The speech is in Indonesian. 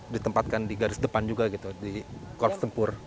ditempatkan di garis depan juga gitu di korps tempur